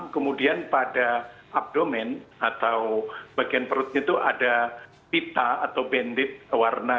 kemudian pada abdomen atau bagian perutnya itu ada pita atau bandit warna